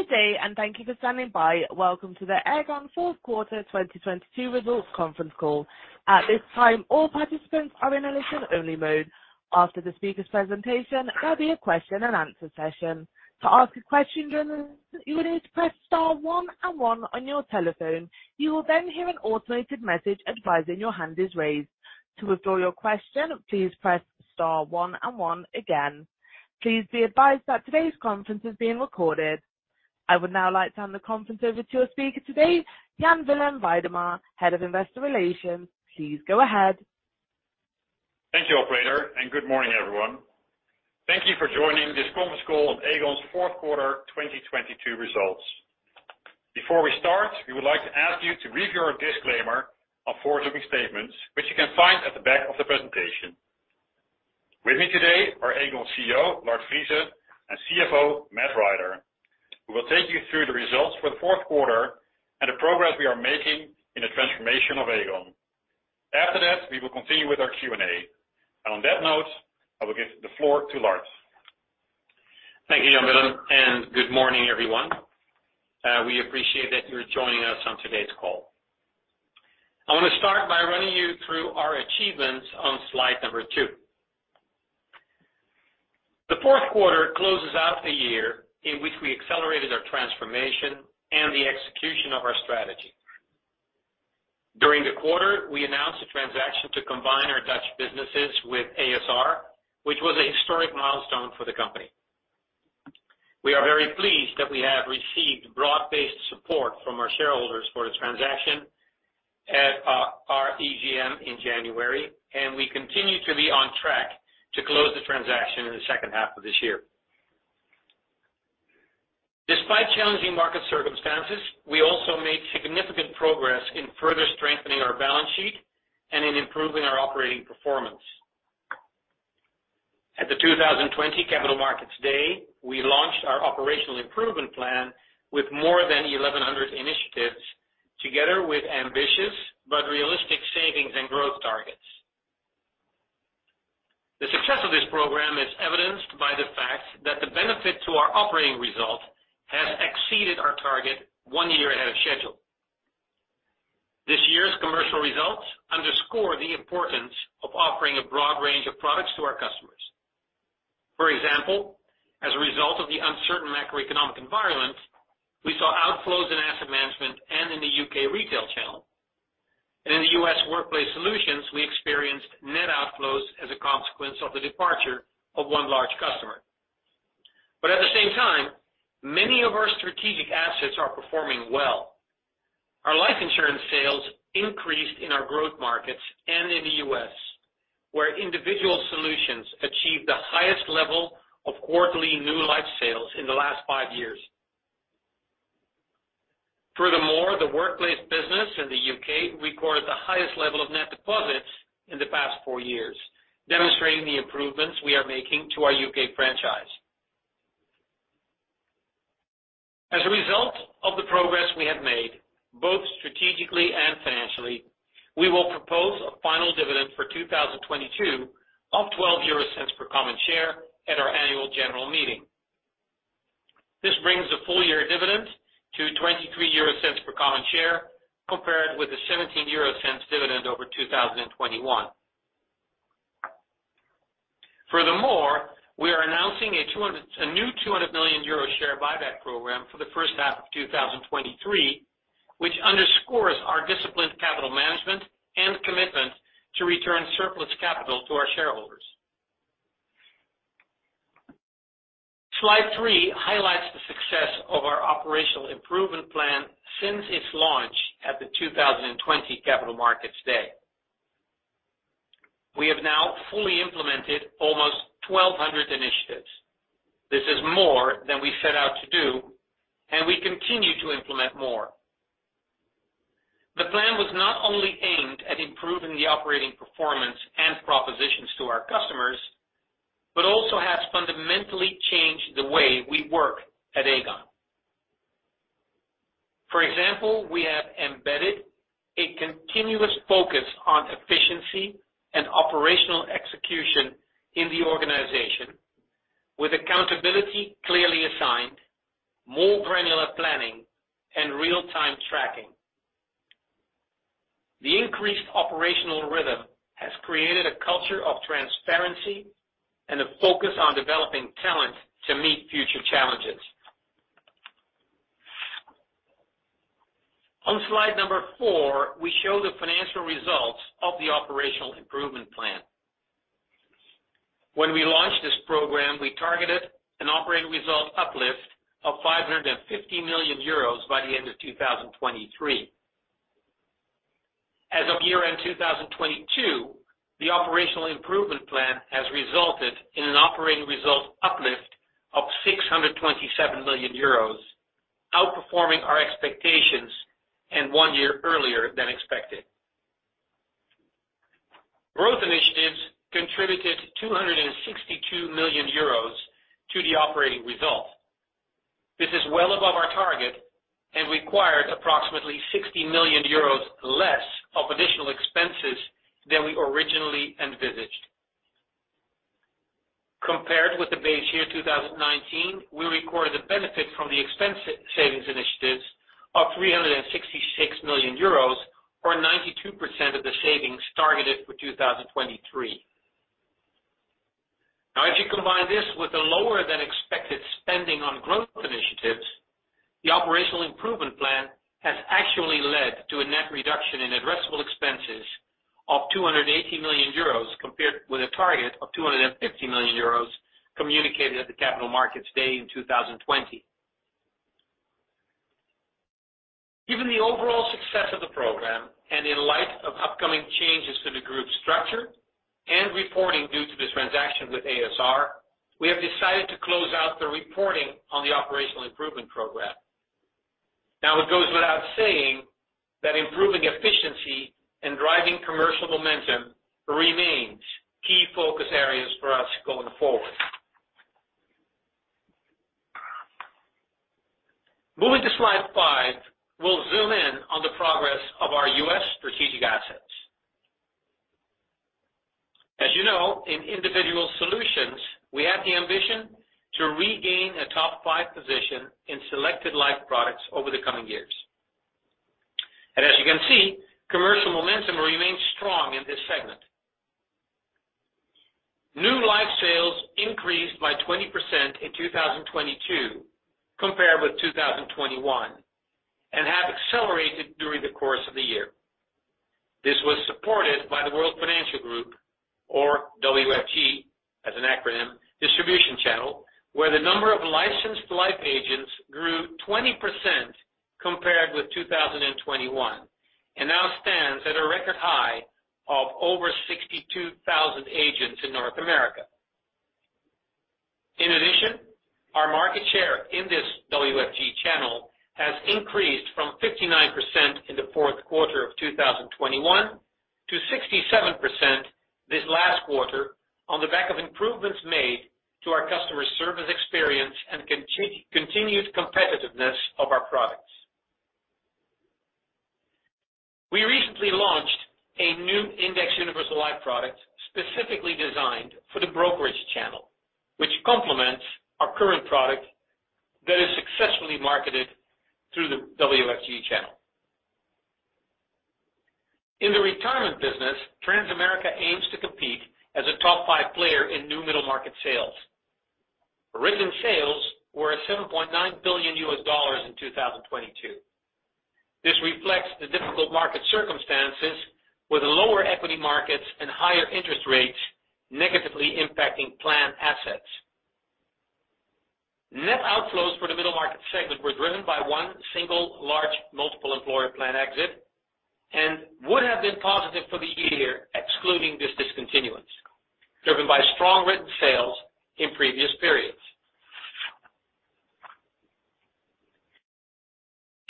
Good day, thank you for standing by. Welcome to the Aegon fourth quarter 2022 results conference call. At this time, all participants are in a listen-only mode. After the speaker's presentation, there'll be a question and answer session. To ask a question, you will need to press star one and one on your telephone. You will then hear an automated message advising your hand is raised. To withdraw your question, please press star one and one again. Please be advised that today's conference is being recorded. I would now like to hand the conference over to your speaker today, Jan Willem Weidema, Head of Investor Relations. Please go ahead. Thank you, operator. Good morning, everyone. Thank you for joining this conference call of Aegon's fourth quarter 2022 results. Before we start, we would like to ask you to read your disclaimer on forward-looking statements, which you can find at the back of the presentation. With me today are Aegon CEO, Lard Friese, and CFO, Matt Rider, who will take you through the results for the fourth quarter and the progress we are making in the transformation of Aegon. After that, we will continue with our Q&A. On that note, I will give the floor to Lard. Thank you, Jan Willem, and good morning, everyone. We appreciate that you're joining us on today's call. I wanna start by running you through our achievements on slide number two. The fourth quarter closes out the year in which we accelerated our transformation and the execution of our strategy. During the quarter, we announced a transaction to combine our Dutch businesses with a.s.r., which was a historic milestone for the company. We are very pleased that we have received broad-based support from our shareholders for the transaction at our EGM in January, and we continue to be on track to close the transaction in the second half of this year. Despite challenging market circumstances, we also made significant progress in further strengthening our balance sheet and in improving our operating performance. At the 2020 Capital Markets Day, we launched our operational improvement plan with more than 1,100 initiatives, together with ambitious but realistic savings and growth targets. The success of this program is evidenced by the fact that the benefit to our operating result has exceeded our target one year ahead of schedule. This year's commercial results underscore the importance of offering a broad range of products to our customers. For example, as a result of the uncertain macroeconomic environment, we saw outflows in asset management and in the U.K. retail channel. In the U.S. Workplace Solutions, we experienced net outflows as a consequence of the departure of one large customer. At the same time, many of our strategic assets are performing well. Our life insurance sales increased in our growth markets and in the U.S., where Individual Solutions achieved the highest level of quarterly new life sales in the last five years. Furthermore, the workplace business in the U.K. recorded the highest level of net deposits in the past four years, demonstrating the improvements we are making to our U.K. franchise. As a result of the progress we have made, both strategically and financially, we will propose a final dividend for 2022 of 0.12 per common share at our annual general meeting. This brings the full-year dividend to 0.23 per common share, compared with the 0.17 dividend over 2021. Furthermore, we are announcing a 200. A new 200 million euro share buyback program for the first half of 2023, which underscores our disciplined capital management and commitment to return surplus capital to our shareholders. Slide three highlights the success of our operational improvement plan since its launch at the 2020 Capital Markets Day. We have now fully implemented almost 1,200 initiatives. This is more than we set out to do. We continue to implement more. The plan was not only aimed at improving the operating performance and propositions to our customers, but also has fundamentally changed the way we work at Aegon. For example, we have embedded a continuous focus on efficiency and operational execution in the organization with accountability clearly assigned, more granular planning, and real-time tracking. The increased operational rhythm has created a culture of transparency and a focus on developing talent to meet future challenges. On slide number four, we show the financial results of the operational improvement plan. When we launched this program, we targeted an operating result uplift of 550 million euros by the end of 2023. As of year-end 2022, the operational improvement plan has resulted in an operating result uplift of 627 million euros, outperforming our expectations and one year earlier than expected. Growth initiatives contributed 262 million euros to the operating result. This is well above our target and required approximately 60 million euros less of additional expenses than we originally envisaged. Compared with the base year 2019, we recorded the benefit from the expense savings initiatives of 366 million euros, or 92% of the savings targeted for 2023. If you combine this with a lower than expected spending on growth initiatives, the Operational Improvement Plan has actually led to a net reduction in addressable expenses of 280 million euros, compared with a target of 250 million euros communicated at the Capital Markets Day in 2020. The overall success of the program, and in light of upcoming changes to the group structure and reporting due to the transaction with a.s.r., we have decided to close out the reporting on the Operational Improvement Program. It goes without saying that improving efficiency and driving commercial momentum remains key focus areas for us going forward. Moving to slide five, we'll zoom in on the progress of our U.S. strategic assets. As you know, in Individual Solutions, we have the ambition to regain a top-five position in selected life products over the coming years. As you can see, commercial momentum remains strong in this segment. New life sales increased by 20% in 2022 compared with 2021, and have accelerated during the course of the year. This was supported by the World Financial Group, or WFG, as an acronym, distribution channel, where the number of licensed life agents grew 20% compared with 2021, and now stands at a record high of over 62,000 agents in North America. In addition, our market share in this WFG channel has increased from 59% in the fourth quarter of 2021 to 67% this last quarter on the back of improvements made to our customer service experience and continued competitiveness of our products. We recently launched a new indexed universal life product specifically designed for the brokerage channel, which complements our current product that is successfully marketed through the WFG channel. In the retirement business, Transamerica aims to compete as a top-five player in new middle market sales. Written sales were at $7.9 billion in 2022. This reflects the difficult market circumstances with lower equity markets and higher interest rates negatively impacting plan assets. Net outflows for the middle market segment were driven by one single large multiple employer plan exit and would have been positive for the year, excluding this discontinuance, driven by strong written sales in previous periods.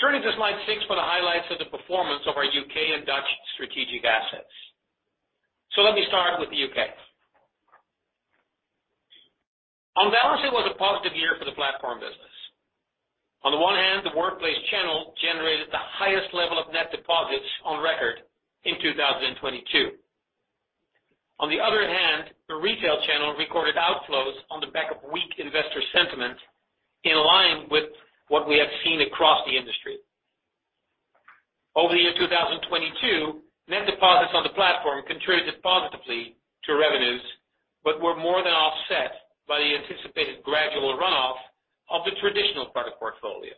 Turning to slide six for the highlights of the performance of our U.K. and Dutch strategic assets. Let me start with the U.K. On balance, it was a positive year for the platform business. On the one hand, the workplace channel generated the highest level of net deposits on record in 2022. On the other hand, the retail channel recorded outflows on the back of weak investor sentiment in line with what we have seen across the industry. Over the year 2022, net deposits on the platform contributed positively to revenues, but were more than offset by the anticipated gradual runoff of the traditional product portfolio.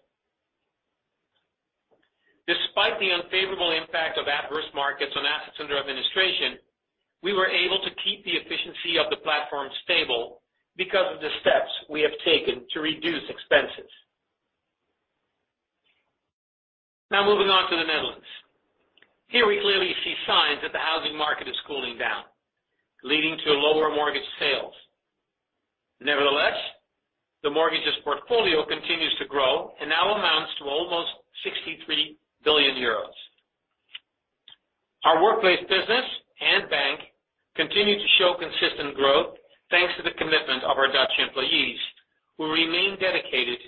Despite the unfavorable impact of adverse markets on assets under administration, we were able to keep the efficiency of the platform stable because of the steps we have taken to reduce expenses. Moving on to the Netherlands. Here, we clearly see signs that the housing market is cooling down, leading to lower mortgage sales. Nevertheless, the mortgages portfolio continues to grow and now amounts to almost 63 billion euros. Our workplace business and bank continue to show consistent growth thanks to the commitment of our Dutch employees, who remain dedicated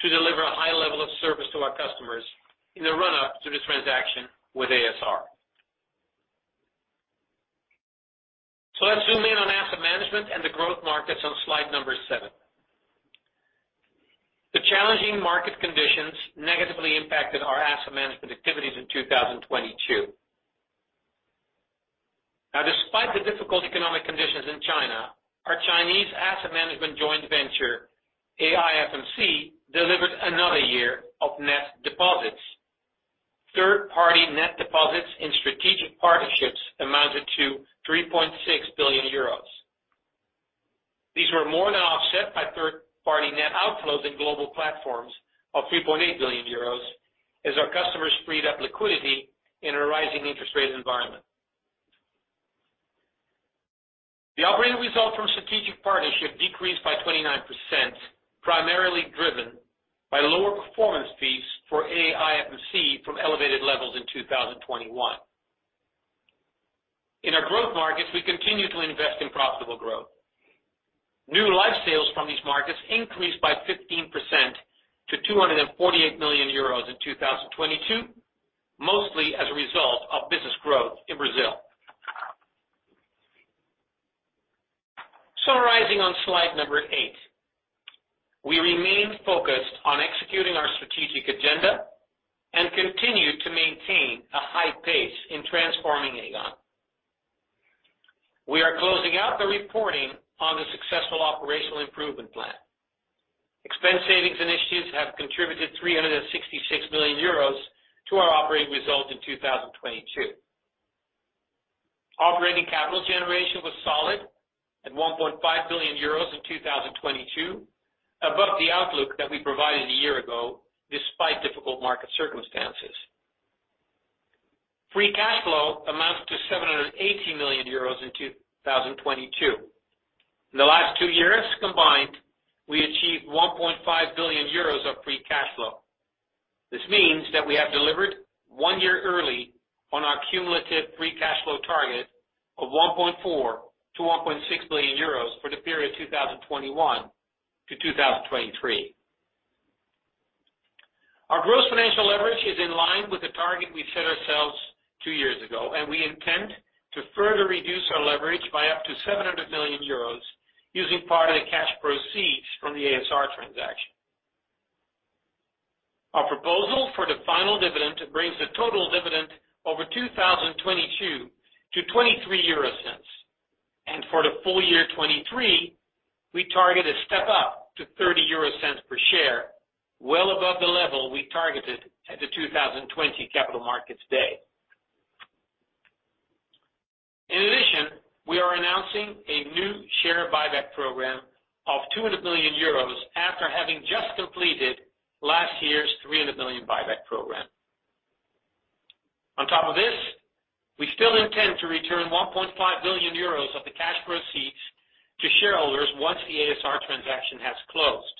to deliver a high level of service to our customers in the run-up to the transaction with a.s.r. Let's zoom in on asset management and the growth markets on slide number seven. The challenging market conditions negatively impacted our asset management activities in 2022. Despite the difficult economic conditions in China, our Chinese asset management joint venture, AIFMC, delivered another year of net deposits. Third-party net deposits in Strategic Partnerships amounted to 3.6 billion euros. These were more than offset by third-party net outflows in Global Platforms of 3.8 billion euros as our customers freed up liquidity in our rising interest rate environment. The operating result from Strategic Partnerships decreased by 29%, primarily driven by lower performance fees for AIFMC from elevated levels in 2021. In our growth markets, we continue to invest in profitable growth. New life sales from these markets increased by 15% to 248 million euros in 2022, mostly as a result of business growth in Brazil. Summarizing on slide number eight, we remain focused on executing our strategic agenda and continue to maintain a high pace in transforming Aegon. We are closing out the reporting on the successful operational improvement plan. Expense savings initiatives have contributed 366 million euros to our operating results in 2022. Operating capital generation was solid at 1.5 billion euros in 2022, above the outlook that we provided a year ago despite difficult market circumstances. Free cash flow amounts to 780 million euros in 2022. In the last two years combined, we achieved 1.5 billion euros of free cash flow. This means that we have delivered one year early on our cumulative free cash flow target of 1.4 billion-1.6 billion euros for the period 2021-2023. Our gross financial leverage is in line with the target we set ourselves two years ago, and we intend to further reduce our leverage by up to 700 million euros using part of the cash proceeds from the a.s.r. transaction. Our proposal for the final dividend brings the total dividend over 2022 to 0.23. For the full year 2023, we target a step up to 0.30 per share, well above the level we targeted at the 2020 Capital Markets Day. In addition, we are announcing a new share buyback program of 200 million euros after having just completed last year's 300 million buyback program. On top of this, we still intend to return 1.5 billion euros of the cash proceeds to shareholders once the a.s.r. transaction has closed.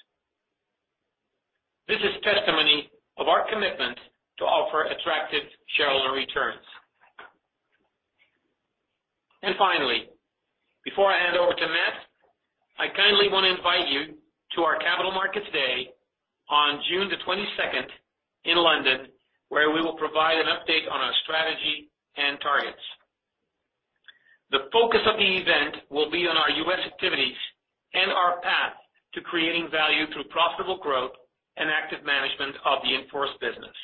This is testimony of our commitment to offer attractive shareholder returns. Finally, before I hand over to Matt, I kindly wanna invite you to our Capital Markets Day on June 22nd in London, where we will provide an update on our strategy and targets. The focus of the event will be on our U.S. activities and our path to creating value through profitable growth and active management of the in-force business.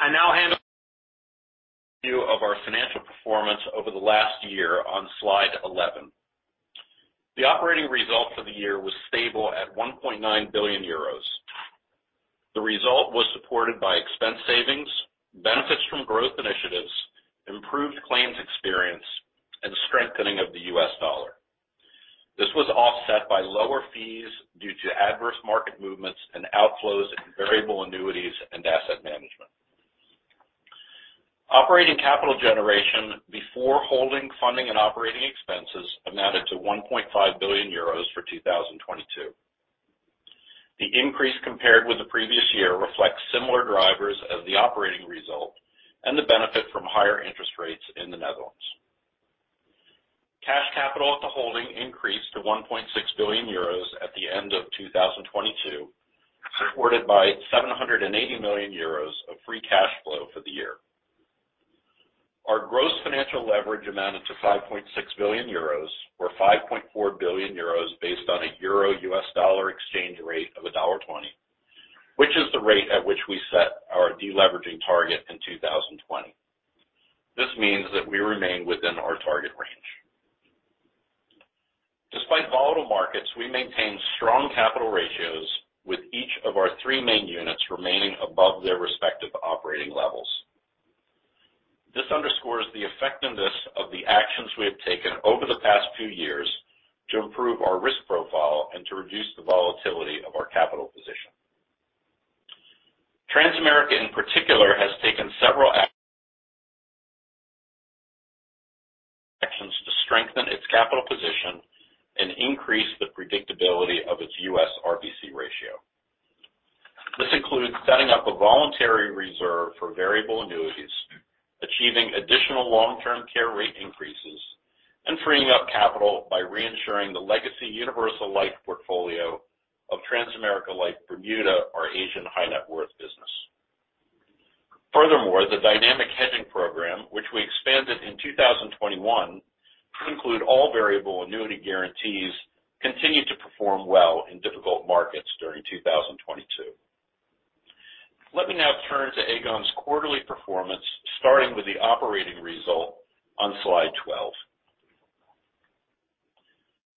I now. Over to you of our financial performance over the last year on slide 11. The operating result for the year was stable at 1.9 billion euros. The result was supported by expense savings, benefits from growth initiatives, improved claims experience, and strengthening of the U.S. dollar. This was offset by lower fees due to adverse market movements and outflows in variable annuities and asset management. Operating capital generation before holding, funding, and operating expenses amounted to 1.5 billion euros for 2022. The increase compared with the previous year reflects similar drivers as the operating result and the benefit from higher interest rates in the Netherlands. Cash Capital at the Holding increased to 1.6 billion euros at the end of 2022, supported by 780 million euros of free cash flow for the year. Our gross financial leverage amounted to 5.6 billion euros or 5.4 billion euros based on a euro U.S. dollar exchange rate of $1.20, which is the rate at which we set our deleveraging target in 2020. This means that we remain within our target range. Despite volatile markets, we maintain strong capital ratios with each of our three main units remaining above their respective operating levels. This underscores the effectiveness of the actions we have taken over the past few years to improve our risk profile and to reduce the volatility of our capital position. Transamerica, in particular, has taken several actions to strengthen its capital position and increase the predictability of its U.S. RBC ratio. This includes setting up a voluntary reserve for variable annuities, achieving additional long-term care rate increases, and freeing up capital by reinsuring the legacy universal life portfolio of Transamerica Life Bermuda, our Asian high net worth business. Furthermore, the dynamic hedging program, which we expanded in 2021 to include all variable annuity guarantees, continued to perform well in difficult markets during 2022. Let me now turn to Aegon's quarterly performance, starting with the operating result on slide 12.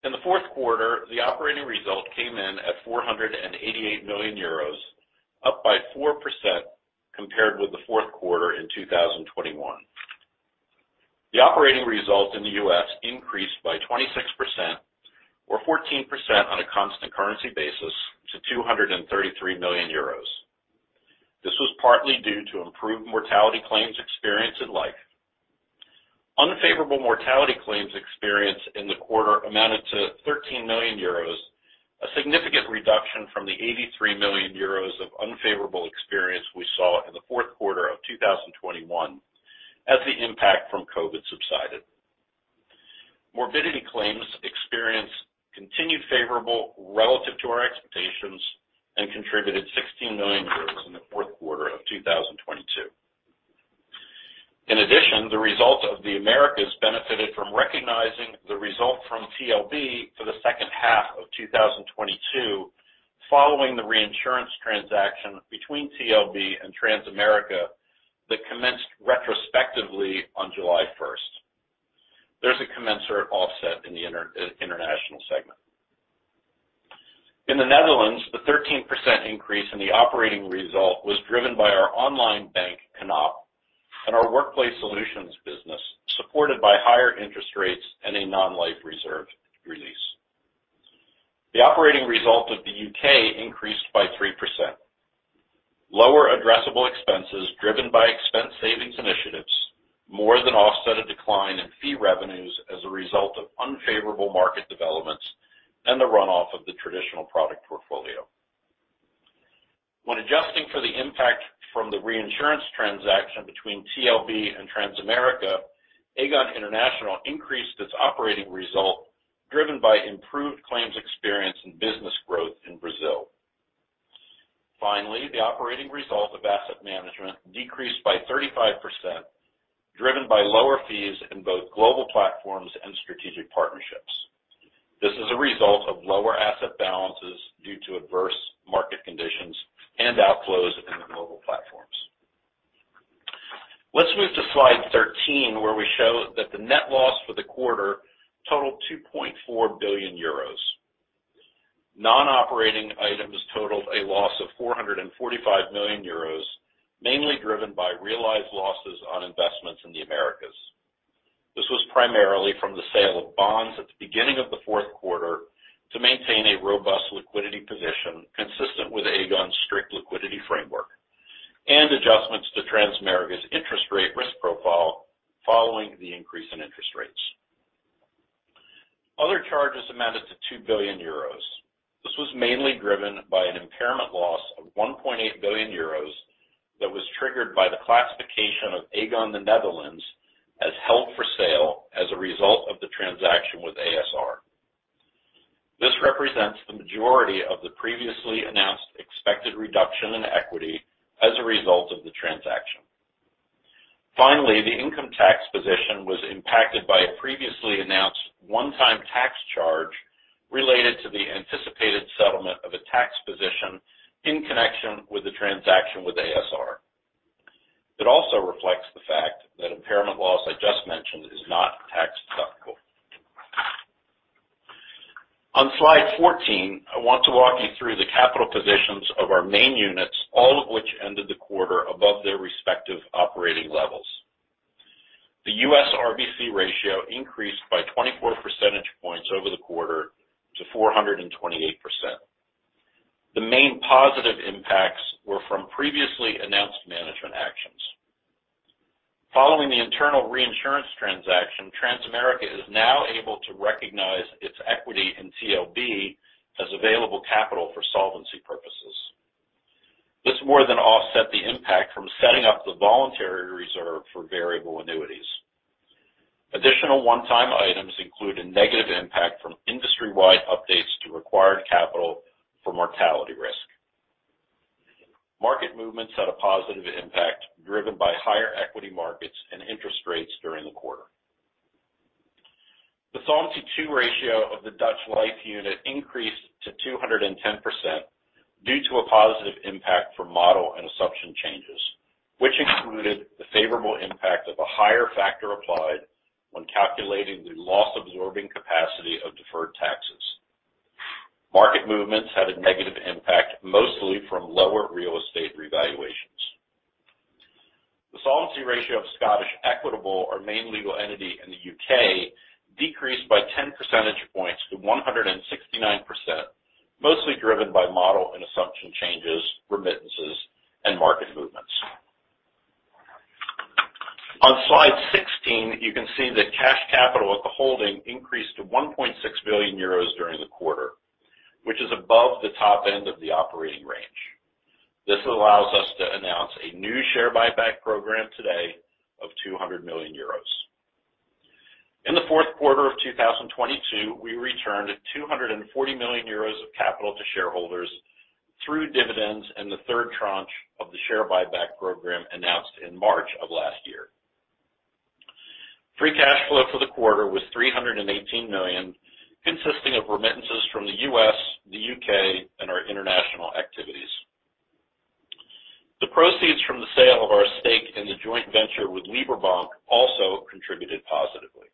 In the fourth quarter, the operating result came in at 488 million euros, up by 4% compared with the fourth quarter in 2021. The operating result in the U.S. increased by 26% or 14% on a constant currency basis to 233 million euros. This was partly due to improved mortality claims experience. Favorable mortality claims experience in the quarter amounted to 13 million euros, a significant reduction from the 83 million euros of unfavorable experience we saw in the fourth quarter of 2021, as the impact from COVID subsided. Morbidity claims experience continued favorable relative to our expectations and contributed 16 million euros in the fourth quarter of 2022. In addition, the results of the Americas benefited from recognizing the result from TLB for the second half of 2022 following the reinsurance transaction between TLB and Transamerica that commenced retrospectively on July 1st. There's a commensurate offset in the International segment. In the Netherlands, the 13% increase in the operating result was driven by our online bank, Knab, and our workplace solutions business, supported by higher interest rates and a non-life reserve release. The operating result of the U.K, increased by 3%. Lower addressable expenses driven by expense savings initiatives more than offset a decline in fee revenues as a result of unfavorable market developments and the runoff of the traditional product portfolio. When adjusting for the impact from the reinsurance transaction between TLB and Transamerica, Aegon International increased its operating result, driven by improved claims experience and business growth in Brazil. Finally, the operating result of asset management decreased by 35%, driven by lower fees in both Global Platforms and Strategic Partnerships. This is a result of lower asset balances due to adverse market conditions and outflows in the Global Platforms. Let's move to slide 13, where we show that the net loss for the quarter totaled 2.4 billion euros. Non-operating items totaled a loss of 445 million euros, mainly driven by realized losses on investments in the Americas. This was primarily from the sale of bonds at the beginning of the fourth quarter to maintain a robust liquidity position consistent with Aegon's strict liquidity framework. Adjustments to Transamerica's interest rate risk profile following the increase in interest rates. Other charges amounted to 2 billion euros. This was mainly driven by an impairment loss of 1.8 billion euros that was triggered by the classification of Aegon the Netherlands as held for sale as a result of the transaction with a.s.r. This represents the majority of the previously announced expected reduction in equity as a result of the transaction. The income tax position was impacted by a previously announced one-time tax charge related to the anticipated settlement of a tax position in connection with the transaction with a.s.r. It also reflects the fact that impairment loss I just mentioned is not tax deductible. On slide 14, I want to walk you through the capital positions of our main units, all of which ended the quarter above their respective operating levels. The U.S. RBC ratio increased by 24% points over the quarter to 428%. The main positive impacts were from previously announced management actions. Following the internal reinsurance transaction, Transamerica is now able to recognize its equity in TLB as available capital for solvency purposes. This more than offset the impact from setting up the voluntary reserve for variable annuities. Additional one-time items include a negative impact from industry-wide updates to required capital for mortality risk. Market movements had a positive impact, driven by higher equity markets and interest rates during the quarter. The Solvency II ratio of the Dutch Life unit increased to 210% due to a positive impact from model and assumption changes, which included the favorable impact of a higher factor applied when calculating the loss-absorbing capacity of deferred taxes. Market movements had a negative impact, mostly from lower real estate revaluations. The solvency ratio of Scottish Equitable, our main legal entity in the U.K., decreased by 10% points to 169%, mostly driven by model and assumption changes, remittances, and market movements. On slide 16, you can see that Cash Capital at the Holding increased to 1.6 billion euros during the quarter, which is above the top end of the operating range. This allows us to announce a new share buyback program today of 200 million euros. In the fourth quarter of 2022, we returned 240 million euros of capital to shareholders through dividends and the third tranche of the share buyback program announced in March of last year. Free cash flow for the quarter was 318 million, consisting of remittances from the U.S., the U.K., and our international activities. The proceeds from the sale of our stake in the joint venture with Liberbank also contributed positively.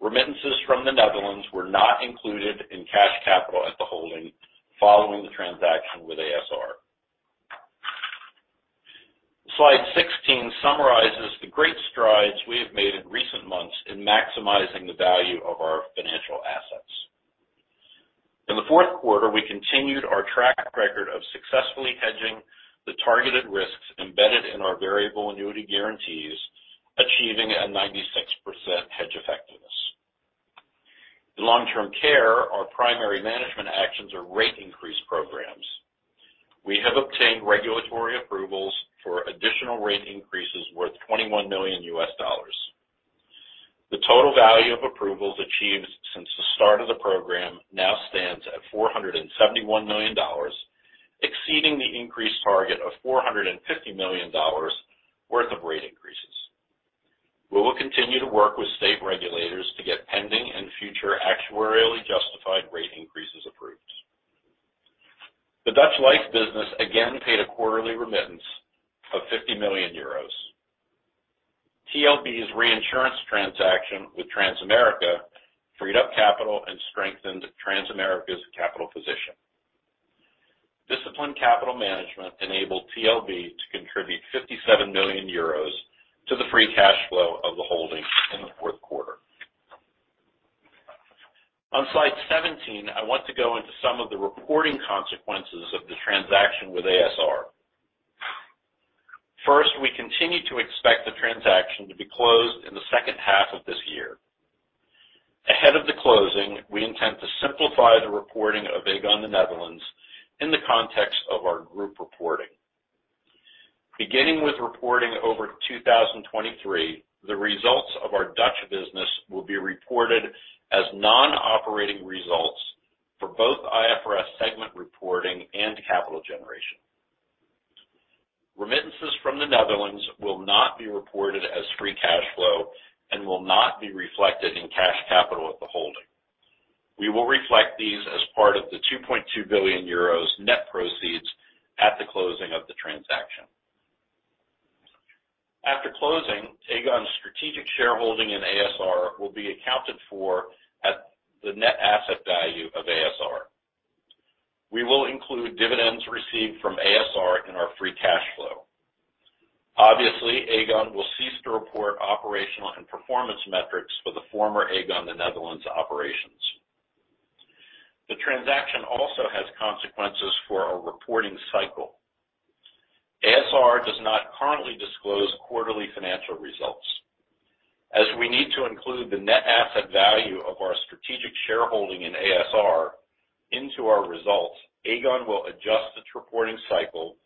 Remittances from the Netherlands were not included in Cash Capital at the Holding following the transaction with a.s.r. Slide 16 summarizes the great strides we have made in recent months in maximizing the value of our financial assets. In the fourth quarter, we continued our track record of successfully hedging the targeted risks embedded in our variable annuity guarantees, achieving a 96% hedge effectiveness. In long-term care, our primary management actions are rate increase programs. We have obtained regulatory approvals for additional rate increases worth $21 million. The total value of approvals achieved since the start of the program now stands at $471 million, exceeding the increased target of $450 million worth of rate increases. We will continue to work with state regulators to get pending and future actuarially justified rate increases approved. The Dutch life business again paid a quarterly remittance of 50 million euros. TLB's reinsurance transaction with Transamerica freed up capital and strengthened Transamerica's capital position. Disciplined capital management enabled TLB to contribute 57 million euros to the free cash flow of the holding in the fourth quarter. On slide 17, I want to go into some of the reporting consequences of the transaction with a.s.r. We continue to expect the transaction to be closed in the second half of this year. Ahead of the closing, we intend to simplify the reporting of Aegon the Netherlands in the context of our group reporting. Beginning with reporting over 2023, the results of our Dutch business will be reported as non-operating results for both IFRS segment reporting and capital generation. Remittances from the Netherlands will not be reported as free cash flow and will not be reflected in Cash Capital at the Holding. We will reflect these as part of the 2.2 billion euros net proceeds at the closing of the transaction. After closing, Aegon's strategic shareholding in ASR will be accounted for at the net asset value of ASR. We will include dividends received from ASR in our free cash flow. Obviously, Aegon will cease to report operational and performance metrics for the former Aegon the Netherlands operations. The transaction also has consequences for our reporting cycle. ASR does not currently disclose quarterly financial results. As we need to include the net asset value of our strategic shareholding in ASR into our results, Aegon will adjust its reporting cycle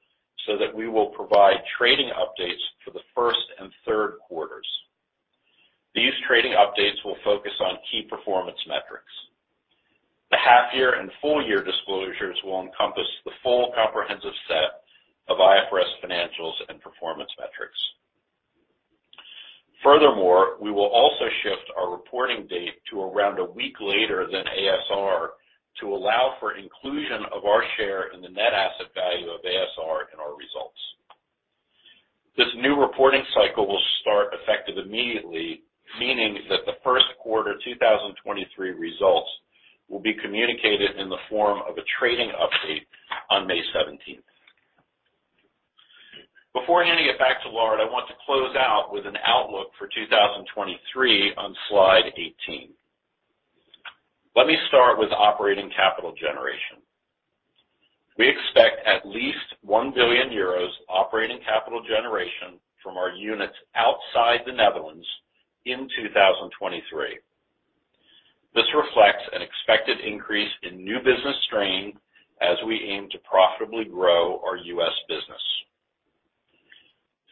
so that we will provide trading updates for the first and third quarters. These trading updates will focus on key performance metrics. The half year and full year disclosures will encompass the full comprehensive set of IFRS financials and performance metrics. We will also shift our reporting date to around a week later than a.s.r. to allow for inclusion of our share in the net asset value of a.s.r. in our results. This new reporting cycle will start effective immediately, meaning that the 1st quarter 2023 results will be communicated in the form of a trading update on May 17th. Before handing it back to Lard, I want to close out with an outlook for 2023 on slide 18. Let me start with operating capital generation. We expect at least 1 billion euros operating capital generation from our units outside the Netherlands in 2023. This reflects an expected increase in new business strain as we aim to profitably grow our U.S. business.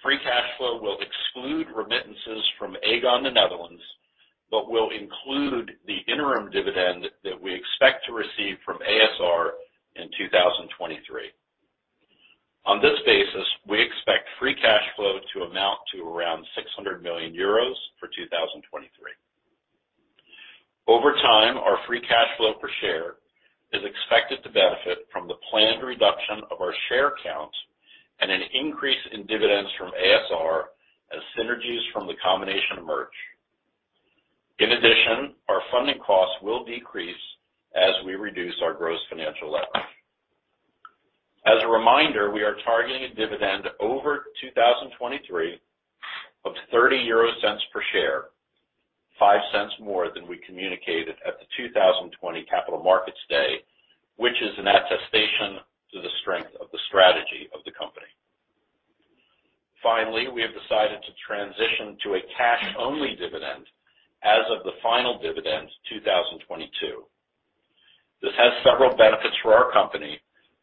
Free cash flow will exclude remittances from Aegon the Netherlands, but will include the interim dividend that we expect to receive from a.s.r. in 2023. On this basis, we expect free cash flow to amount to around 600 million euros for 2023. Over time, our free cash flow per share is expected to benefit from the planned reduction of our share count and an increase in dividends from a.s.r. as synergies from the combination merge. In addition, our funding costs will decrease as we reduce our gross financial leverage. As a reminder, we are targeting a dividend over 2023 of 0.30 per share, 0.05 more than we communicated at the 2020 Capital Markets Day, which is an attestation to the strength of the strategy of the company. Finally, we have decided to transition to a cash-only dividend as of the final dividend, 2022. This has several benefits for our company,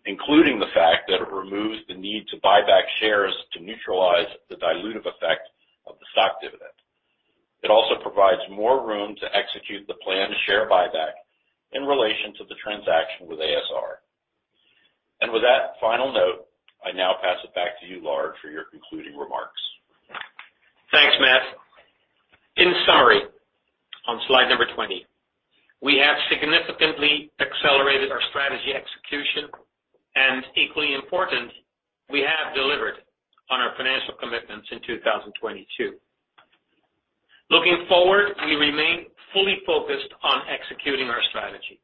including the fact that it removes the need to buy back shares to neutralize the dilutive effect of the stock dividend. It also provides more room to execute the planned share buyback in relation to the transaction with a.s.r. With that final note, I now pass it back to you, Lard, for your concluding remarks. Thanks, Matt. In summary, on slide number 20, we have significantly accelerated our strategy execution, and equally important, we have delivered on our financial commitments in 2022. Looking forward, we remain fully focused on executing our strategy.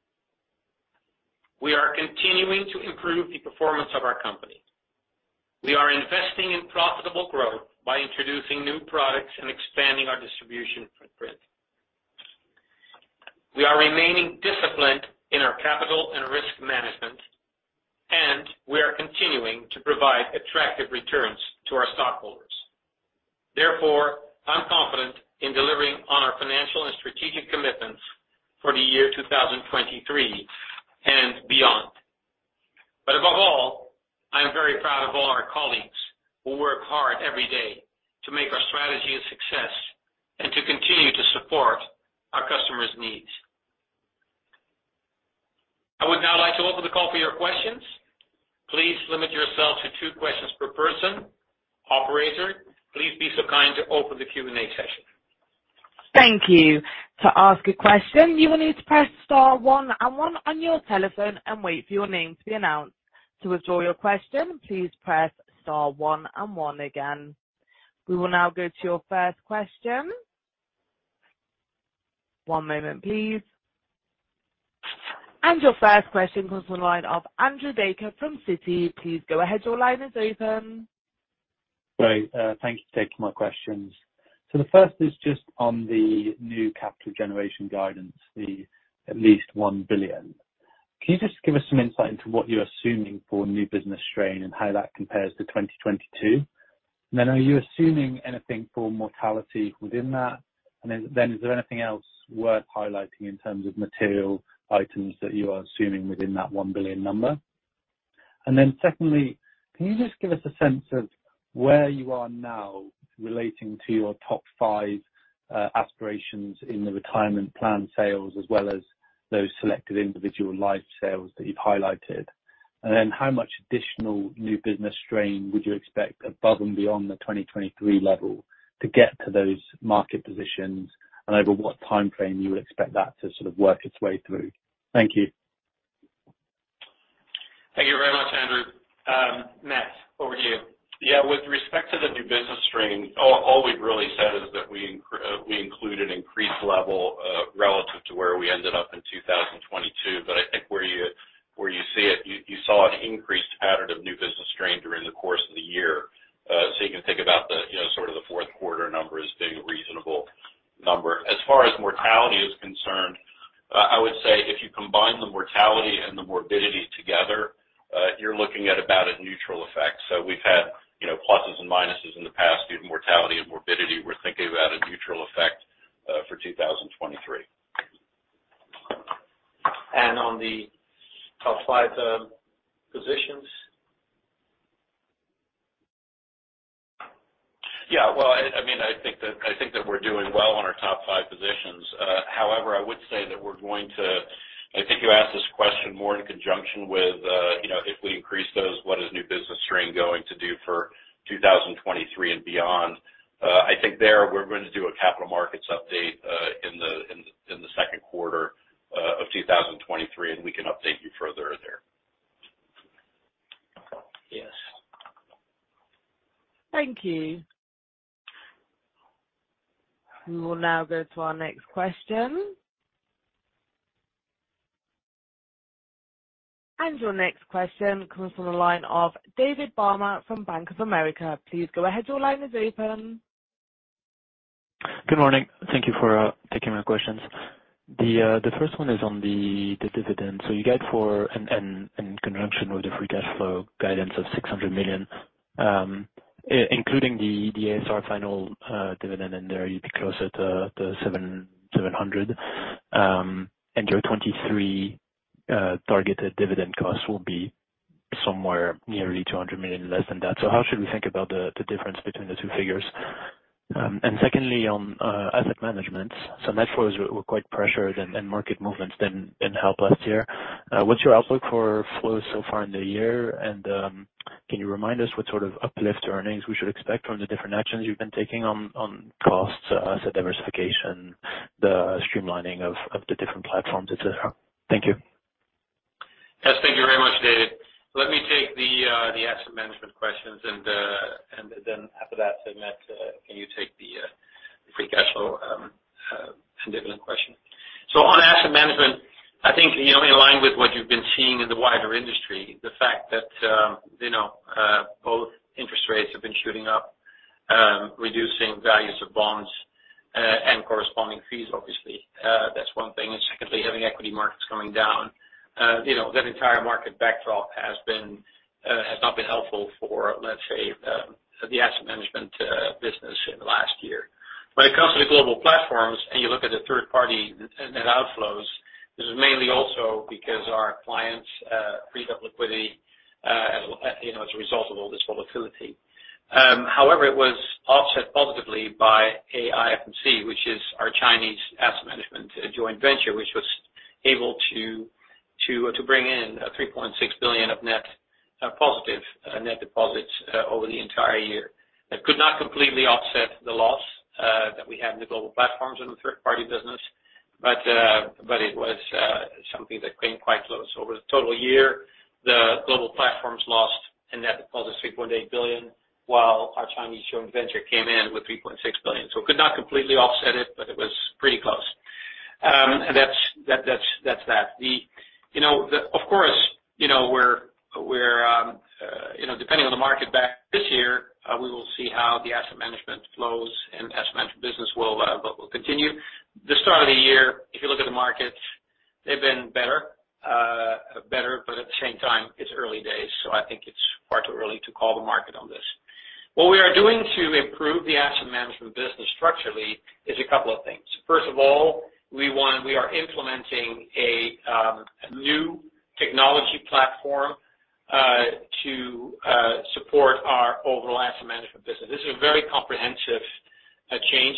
We are continuing to improve the performance of our company. We are investing in profitable growth by introducing new products and expanding our distribution footprint. We are remaining disciplined in our capital and risk management, and we are continuing to provide attractive returns to our stockholders. Therefore, I'm confident in delivering on our financial and strategic commitments for the year 2023 and beyond. Above all, I am very proud of all our colleagues who work hard every day to make our strategy a success and to continue to support our customers' needs. I would now like to open the call for your questions. Please limit yourself to two questions per person. Operator, please be so kind to open the Q&A session. Thank you. To ask a question, you will need to press star one one on your telephone and wait for your name to be announced. To withdraw your question, please press star one one again. We will now go to your first question. One moment, please. Your first question comes from the line of Andrew Baker from Citi. Please go ahead, your line is open. Great. Thank you for taking my questions. The first is just on the new capital generation guidance, the at least 1 billion. Can you just give us some insight into what you're assuming for New Business Strain and how that compares to 2022? Are you assuming anything for mortality within that? Is there anything else worth highlighting in terms of material items that you are assuming within that 1 billion number? Secondly, can you just give us a sense of where you are now relating to your top five aspirations in the retirement plan sales as well as those selected individual life sales that you've highlighted? How much additional New Business Strain would you expect above and beyond the 2023 level to get to those market positions? Over what timeframe you would expect that to sort of work its way through. Thank you. Thank you very much, Andrew. Matt, over to you. Yeah. With respect to the new business strain, all we've really said is that we include an increased level relative to where we ended up in 2022, but I think where you, where you see it, you saw an increased pattern of new business strain during the course of the year. You can think about the, you know, sort of the fourth quarter number as being a reasonable number. As far as mortality is concerned, I would say if you combine the mortality and the morbidity together, you're looking at about a neutral effect. We've had, you know, pluses and minuses in the past due to mortality and morbidity. We're thinking about a neutral effect for 2023. On the top five positions? Yeah. Well, I mean, I think that we're doing well on our top five positions. However, I would say that we're going to... I think you asked this question more in conjunction with, you know, if we increase those, what is new business strain going to do for 2023 and beyond. I think there we're going to do a capital markets update, in the second quarter, of 2023, and we can update you further there. Yes. Thank you. We will now go to our next question. Your next question comes from the line of David Barma from Bank of America. Please go ahead, your line is open. Good morning. Thank you for taking my questions. The first one is on the dividend. You guide for, and in conjunction with the free cash flow guidance of 600 million. Including the a.s.r. final dividend in there, you'd be closer to 700. And your 2023 targeted dividend costs will be somewhere nearly 200 million less than that. How should we think about the difference between the two figures? Secondly, on asset management, net flows were quite pressured and market movements didn't help last year. What's your outlook for flows so far in the year? Can you remind us what sort of uplift earnings we should expect from the different actions you've been taking on costs, asset diversification, the streamlining of the different platforms, et cetera? Thank you. Thank you very much, David. Let me take the asset management questions, after that, Matt, can you take the free cash flow and dividend question. On asset management, I think, you know, in line with what you've been seeing in the wider industry, the fact that, you know, both interest rates have been shooting up, reducing values of bonds, and corresponding fees obviously. That's one thing. Secondly, having equity markets going down. You know, that entire market backdrop has been, has not been helpful for, let's say, the asset management business in the last year. When it comes to the Global Platforms, you look at the third party net outflows, this is mainly also because our clients freed up liquidity, you know, as a result of all this volatility. However, it was offset positively by AIC, which is our Chinese asset management joint venture, which was able to bring in 3.6 billion of net positive net deposits over the entire year. That could not completely offset the loss that we had in the Global Platforms in the third party business, but it was something that came quite close. Over the total year, the Global Platforms lost a net positive 3.8 billion, while our Chinese joint venture came in with 3.6 billion. It could not completely offset it, but. That's that. You know, of course, you know, we're, you know, depending on the market back this year, we will see how the asset management flows and asset management business will continue. The start of the year, if you look at the markets, they've been better, but at the same time, it's early days, so I think it's far too early to call the market on this. What we are doing to improve the asset management business structurally is a couple of things. First of all, we are implementing a new technology platform to support our overall asset management business. This is a very comprehensive change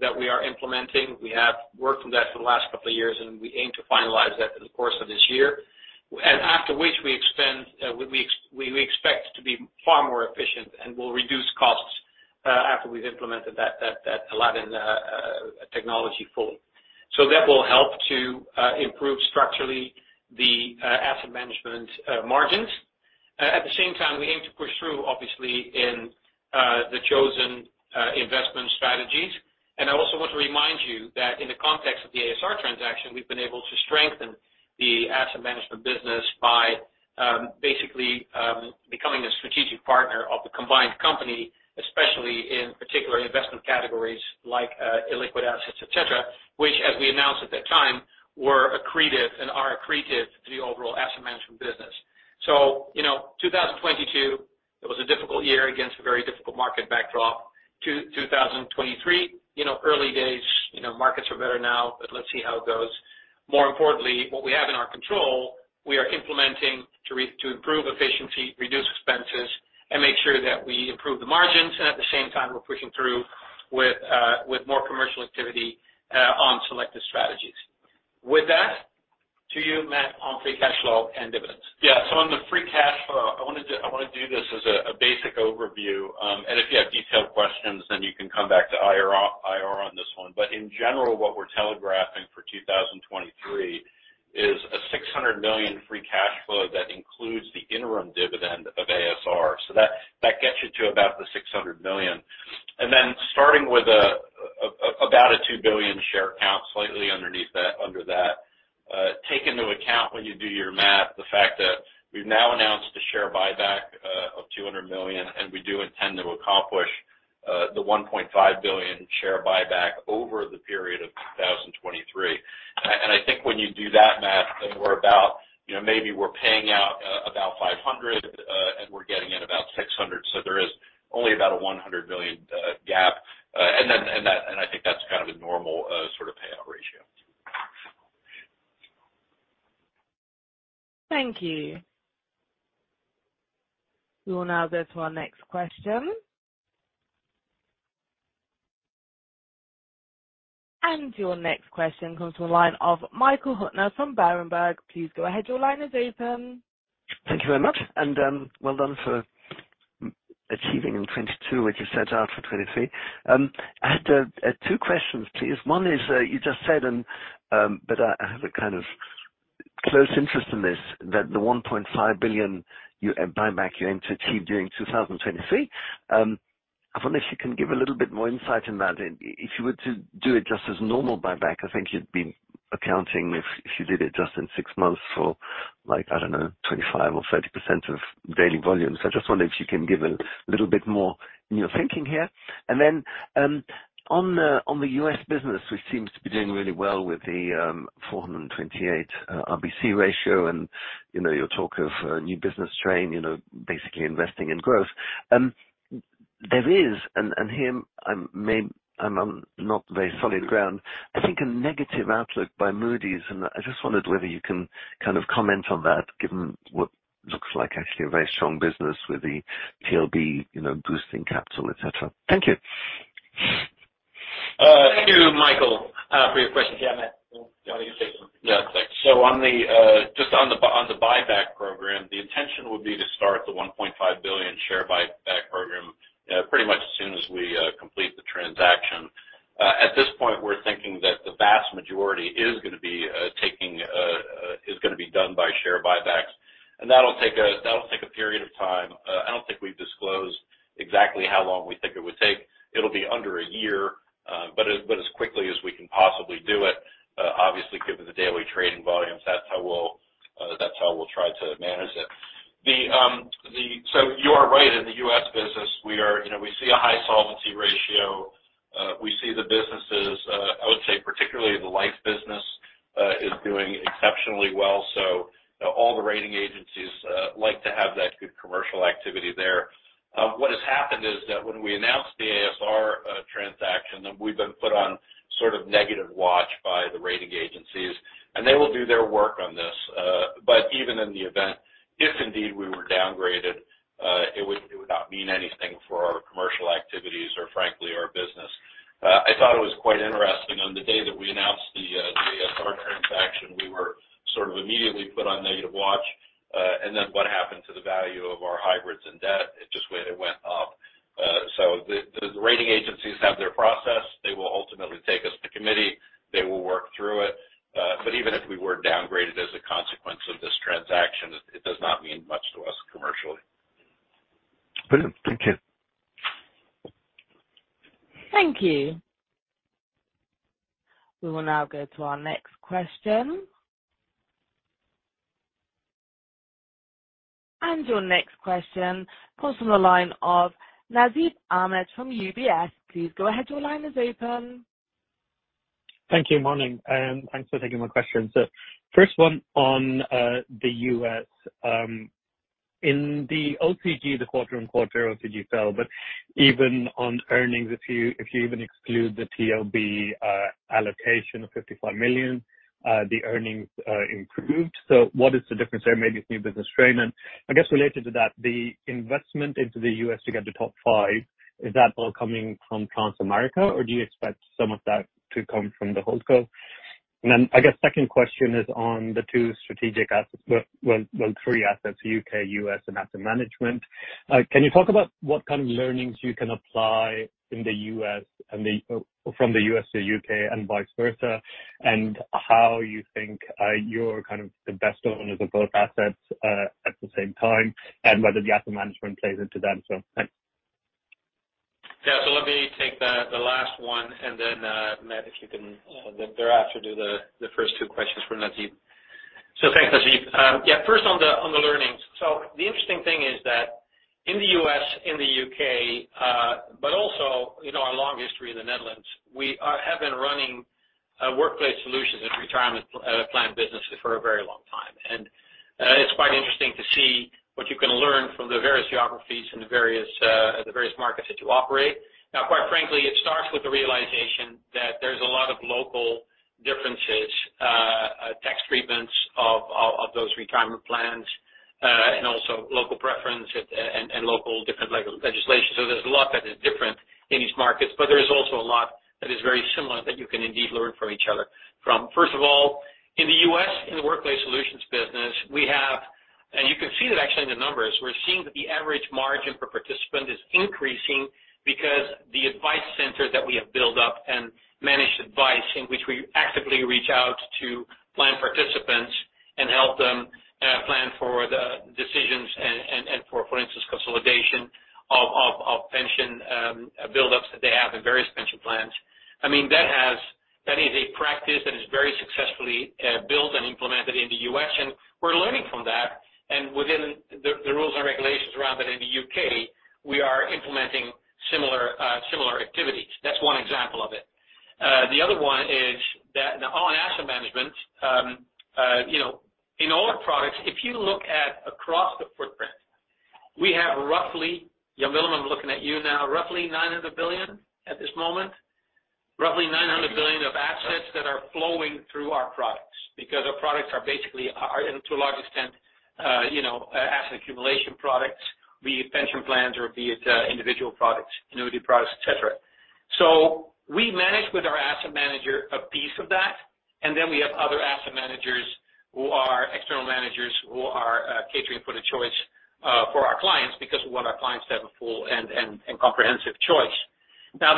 that we are implementing. We have worked on that for the last couple of years, and we aim to finalize that through the course of this year. After which we expect to be far more efficient and will reduce costs after we've implemented that Aladdin technology fully. That will help to improve structurally the asset management margins. At the same time, we aim to push through obviously in the chosen investment strategies. I also want to remind you that in the context of the a.s.r. transaction, we've been able to strengthen the asset management business by basically becoming a strategic partner of the combined company, especially in particular investment categories like illiquid assets, et cetera, which as we announced at that time, were accretive and are accretive to the overall asset management business. You know, 2022, it was a difficult year against a very difficult market backdrop. 2023, you know, early days, you know, markets are better now, but let's see how it goes. More importantly, what we have in our control, we are implementing to improve efficiency, reduce expenses, and make sure that we improve the margins. At the same time, we're pushing through with more commercial activity on selected strategies. With that, to you, Matt, on free cash flow and dividends. On the free cash flow, I wanna do this as a basic overview. If you have detailed questions, then you can come back to IR on this one. In general, what we're telegraphing for 2023 is a 600 million free cash flow that includes the interim dividend of a.s.r. That gets you to about the 600 million. Starting with about a 2 billion share count, slightly underneath that, take into account when you do your math, the fact that we've now announced a share buyback of 200 million, and we do intend to accomplish the 1.5 billion share buyback over the period of 2023. I think when you do that math, then we're about, you know, maybe we're paying out about 500, and we're getting in about 600. There is only about a 100 million gap. Then, that, and I think that's kind of a normal sort of payout ratio. Thank you. We will now go to our next question. Your next question comes from the line of Michael Huttner from Berenberg. Please go ahead. Your line is open. Thank you very much, and well done for achieving in 2022 what you set out for 2023. I had 2 questions, please. One is, you just said, and but I have a kind of close interest in this, that the 1.5 billion you buyback you aim to achieve during 2023. I wonder if you can give a little bit more insight in that. If you were to do it just as normal buyback, I think you'd be accounting if you did it just in six months for like, I don't know, 25% or 30% of daily volumes. I just wonder if you can give a little bit more in your thinking here. Then, on the U.S. business, which seems to be doing really well with the 428 RBC ratio and, you know, your talk of new business strain, you know, basically investing in growth. There is, and here I'm not very solid ground. I think a negative outlook by Moody's. I just wondered whether you can kind of comment on that given what looks like actually a very strong business with the TLB, you know, boosting capital, et cetera. Thank you. Thank you, Michael, for your question. Matt, do you want me to take it? On the buyback program, the intention would be to start the 1.5 billion share buyback program, pretty much as soon as we complete the transaction. At this point, we're thinking that the vast majority is gonna be taking, is gonna be done by share buybacks. That'll take a period of time. I don't think we've disclosed exactly how long we think it would take. It'll be under a year, but as quickly as we can possibly do it, obviously, given the daily trading volumes, that's how we'll try to manage it. You are right. In the U.S. business, we are, you know, we see a high solvency ratio. We see the businesses, I would say, particularly the life business, is doing exceptionally well. All the rating agencies like to have that good commercial activity there. What has happened is that when we announced the a.s.r. transaction, we've been put on sort of negative watch by the rating agencies, and they will do their work on this. Even in the event, if indeed we were downgraded, it would not mean anything for our commercial activities or frankly, our business. I thought it was quite interesting on the day that we announced the a.s.r. transaction, we were sort of immediately put on negative watch. What happened to the value of our hybrids and debt, it just went up. The rating agencies have their process. They will ultimately take us to committee. They will work through it. Even if we were downgraded as a consequence of this transaction, it does not mean much to us commercially. Brilliant. Thank you. Thank you. We will now go to our next question. Your next question comes from the line of Nasib Ahmed from UBS. Please go ahead, your line is open. Thank you. Morning, and thanks for taking my question. First one on the U.S. In the OCG, the quarter-on-quarter OCG sale, but even on earnings, if you even exclude the TLB allocation of $55 million, the earnings improved. What is the difference there? Maybe it's new business strain. I guess related to that, the investment into the U.S. to get to top five, is that all coming from Transamerica, or do you expect some of that to come from the whole scope? I guess second question is on the two strategic assets. Well, three assets, U.K., U.S., and asset management. Can you talk about what kind of learnings you can apply in the U.S. and the. From the U.S. to U.K. and vice versa. How you think, you're kind of the best owners of both assets, at the same time. Whether the asset management plays into them. Thanks. Yeah. Let me take the last one and then Matt, if you can thereafter do the first two questions from Nasib. Thanks, Nasib. First on the learnings. The interesting thing is that in the U.S., in the U.K., but also, you know, our long history in the Netherlands, we have been running Workplace Solutions and retirement plan businesses for a very long time. It's quite interesting to see what you can learn from the various geographies and the various, the various markets that you operate. Quite frankly, it starts with the realization that there's a lot of local differences, tax treatments of those retirement plans, and also local preference at, and local different legislation. There's a lot that is different in these markets, but there is also a lot that is very similar that you can indeed learn from each other. From first of all, in the U.S., in the Workplace Solutions business, we have and you can see that actually in the numbers. We're seeing that the average margin per participant is increasing because the advice center that we have built up and managed advice in which we actively reach out to plan participants and help them plan for the decisions and for instance, consolidation of pension buildups that they have in various pension plans. I mean, that is a practice that is very successfully built and implemented in the U.S., and we're learning from that. Within the rules and regulations around that in the U.K., we are implementing similar activities. That's one example of it. The other one is that on asset management, you know, in all our products, if you look at across the footprint, we have roughly, Jan Willem, I'm looking at you now, roughly 900 billion at this moment. Roughly 900 billion of assets that are flowing through our products. Our products are basically, and to a large extent, you know, asset accumulation products, be it pension plans or be it, individual products, annuity products, et cetera. We manage with our asset manager a piece of that, and then we have other asset managers who are external managers who are catering for the choice for our clients because we want our clients to have a full and comprehensive choice.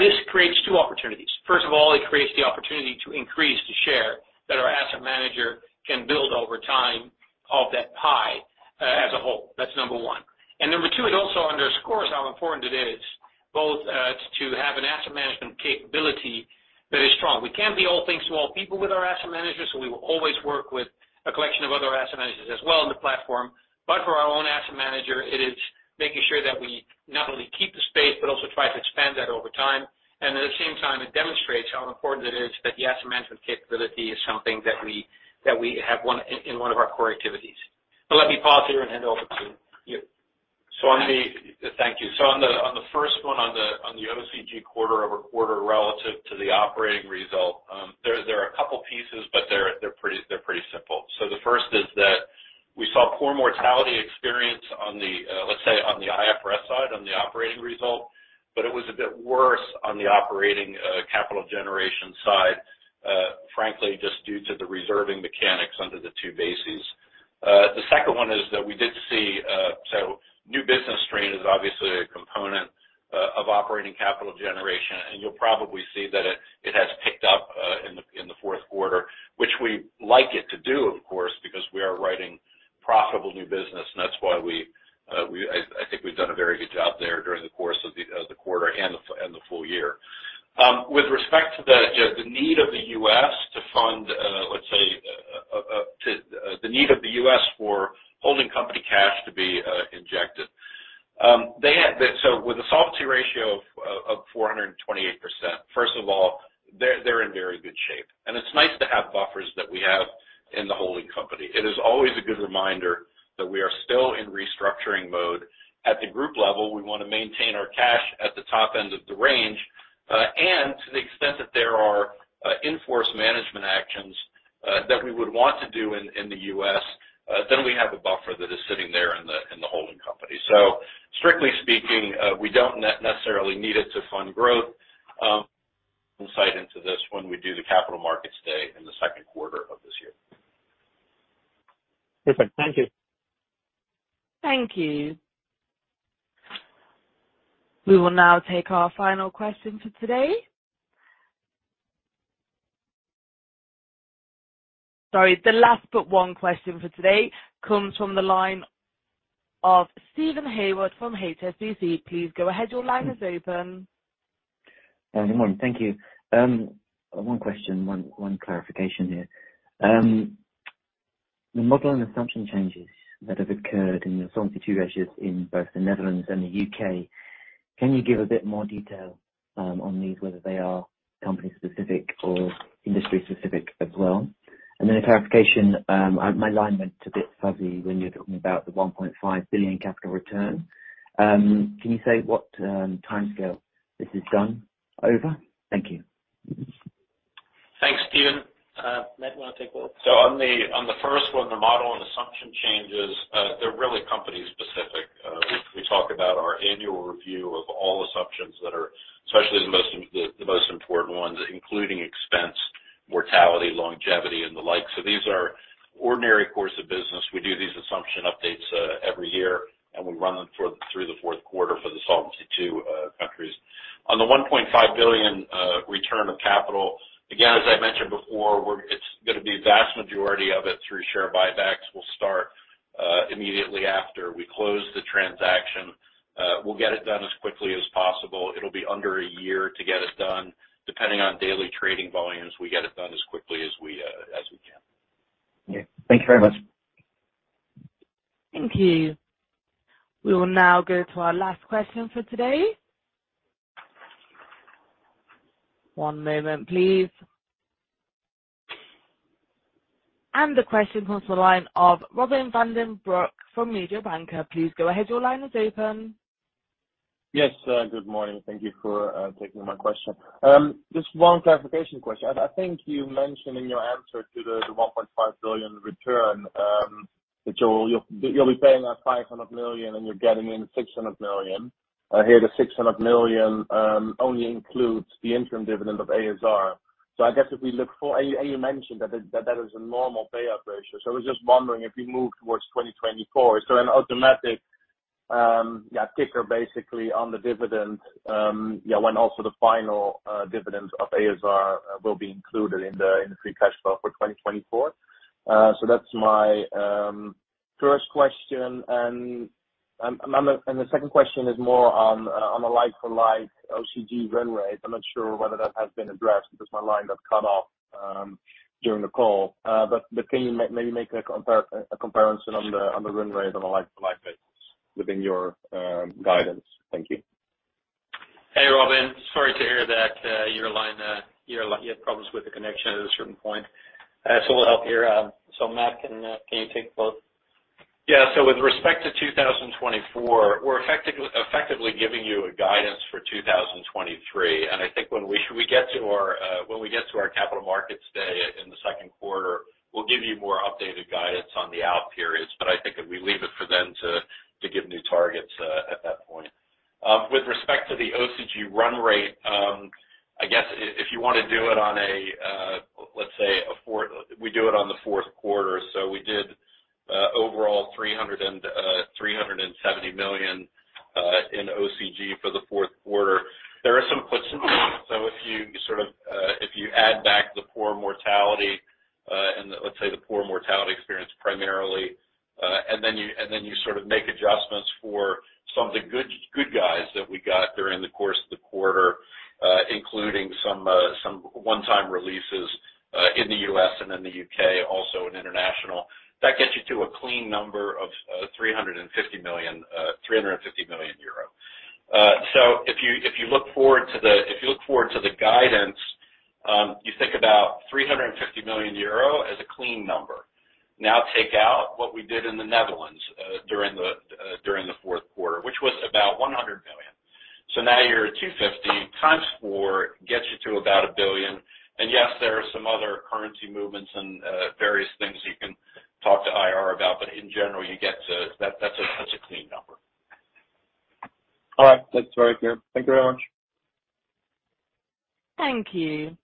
This creates two opportunities. First of all, it creates the opportunity to increase the share that our asset manager can build over time of that pie as a whole. That's number one. Number two, it also underscores how important it is both to have an asset management capability that is strong. We can't be all things to all people with our asset managers, we will always work with a collection of other asset managers as well in the platform. For our own asset manager, it is making sure that we not only keep the space but also try to expand that over time. At the same time, it demonstrates how important it is that the asset management capability is something that we have in one of our core activities. Let me pause here and hand over to you. Thank you. On the OCG quarter-over-quarter relative to the operating result, there are a couple pieces, but they're pretty simple. The first is that we saw poor mortality experience on the, let's say, on the IFRS side, on the operating result, but it was a bit worse on the operating capital generation side, frankly, just due to the reserving mechanics under the two bases. The second one is that we did see, new business strain is obviously a component of operating capital generation, and you'll probably see that it has picked up in the fourth quarter, which we like it to do, of course, because we are writing profitable new business, and that's why we. I think we've done a very good job there during the course of the quarter and the full year. With respect to the need of the U.S. to fund, let's say, the need of the U.S. for holding company cash to be injected. With a solvency ratio of 428%, first of all, they're in very good shape. It's nice to have buffers that we have in the holding company. It is always a good reminder that we are still in restructuring mode. At the group level, we wanna maintain our cash at the top end of the range, and to the extent that there are in-force management actions that we would want to do in the U.S., then we have a buffer that is sitting there in the holding company. Strictly speaking, we don't necessarily need it to fund growth. Insight into this when we do the Capital Markets Day in the second quarter of this year. Perfect. Thank you. Thank you. We will now take our final question for today. Sorry. The last but one question for today comes from the line of Stephen Howard from HSBC. Please go ahead. Your line is open. Good morning. Thank you. One question, one clarification here. The model and assumption changes that have occurred in your Solvency II ratios in both the Netherlands and the U.K., can you give a bit more detail on these, whether they are company-specific or industry-specific as well? A clarification, my line went a bit fuzzy when you were talking about the 1.5 billion capital return. Can you say what timescale this is done over? Thank you. Thanks, Stephen. Matt, wanna take over? On the first one, the model and assumption changes, they're really company specific. We talk about our annual review of all assumptions that are especially the most important ones, including expense, mortality, longevity and the like. These are ordinary course of business. We do these assumption updates every year, and we run them through the fourth quarter for the Solvency II countries. On the 1.5 billion return of capital, again, as I mentioned before, it's gonna be vast majority of it through share buybacks. We'll start immediately after we close the transaction. We'll get it done as quickly as possible. It'll be under a year to get it done. Depending on daily trading volumes, we get it done as quickly as we can. Yeah. Thank you very much. Thank you. We will now go to our last question for today. One moment, please. The question comes to the line of Robin van den Broek from Mediobanca. Please go ahead. Your line is open. Good morning. Thank you for taking my question. Just one clarification question. I think you mentioned in your answer to the 1.5 billion return that you'll be paying out 500 million, and you're getting in 600 million. I hear the 600 million only includes the interim dividend of a.s.r. I guess if we look for. You mentioned that that is a normal payout ratio. I was just wondering if we move towards 2024, is there an automatic ticker basically on the dividend when also the final dividends of a.s.r. will be included in the free cash flow for 2024? That's my first question. The second question is more on a like-for-like OCG run rate. I'm not sure whether that has been addressed because my line got cut off during the call. Can you make a comparison on the run rate on a like-for-like basis within your guidance? Thank you. Hey, Robin. Sorry to hear that, your line, you had problems with the connection at a certain point. We'll help here. Matt, can you take both? With respect to 2024, we're effectively giving you a guidance for 2023. I think when we get to our Capital Markets Day in the second quarter, we'll give you more updated guidance on the out periods. I think if we leave it for them to give new targets at that point. With respect to the OCG run rate, I guess if you want to do it on a, let's say, We do it on the fourth quarter. We did overall 370 million in OCG for the fourth quarter. There are some puts in there. If you sort of, if you add back the poor mortality, and let's say the poor mortality experience primarily, and then you, and then you sort of make adjustments for some of the good guys that we got during the course of the quarter, including some one-time releases, in the U.S. and in the U.K., also in international, that gets you to a clean number of 350 million. If you look forward to the guidance, you think about 350 million euro as a clean number. Now, take out what we did in the Netherlands during the fourth quarter, which was about 100 million. Now you're at 250x four, gets you to about 1 billion. Yes, there are some other currency movements and various things you can talk to IR about, but in general, that's a clean number. All right. That's very clear. Thank you very much. Thank you.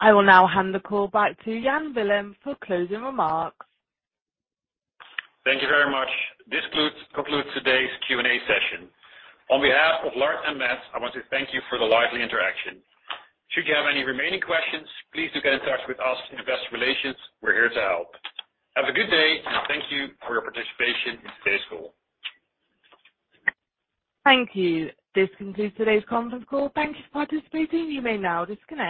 I will now hand the call back to Jan Willem for closing remarks. Thank you very much. This concludes today's &A session. On behalf of Lard and Matt, I want to thank you for the lively interaction. Should you have any remaining questions, please do get in touch with us in Investor Relations. We're here to help. Have a good day, and thank you for your participation in today's call. Thank you. This concludes today's conference call. Thank you for participating. You may now disconnect.